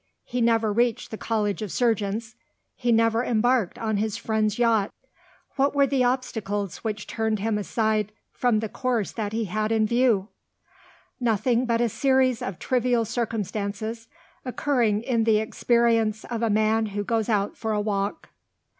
He never reached the College of Surgeons. He never embarked on his friend's yacht. What were the obstacles which turned him aside from the course that he had in view? Nothing but a series of trivial circumstances, occurring in the experience of a man who goes out for a walk.